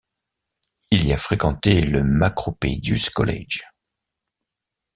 Il y a fréquenté le Macropedius College.